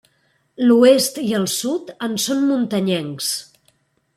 L'oest i el sud en són muntanyencs.